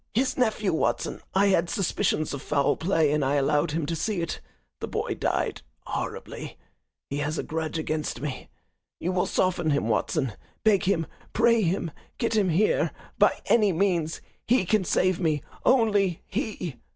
His nephew, Watson I had suspicions of foul play and I allowed him to see it. The boy died horribly. He has a grudge against me. You will soften him, Watson. Beg him, pray him, get him here by any means. He can save me only he!"